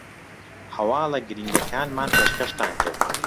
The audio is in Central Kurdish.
هەواڵە گرینگەکانمان پێشکەشتان کرد